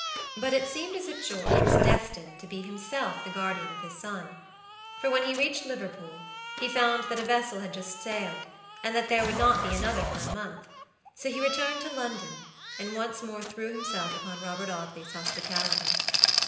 But it seemed as if George was destined to be himself the guardian of his son; for when he reached Liverpool, he found that a vessel had just sailed, and that there would not be another for a month; so he returned to London, and once more threw himself upon Robert Audley's hospitality.